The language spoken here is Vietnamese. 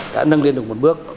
đã nâng lên được một bước